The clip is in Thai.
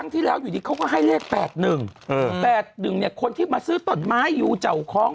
ที่แล้วอยู่ดีเขาก็ให้เลข๘๑๘๑เนี่ยคนที่มาซื้อต้นไม้อยู่เจ้าของ